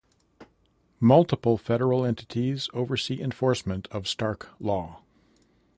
Multiple federal entities oversee enforcement of Stark Law.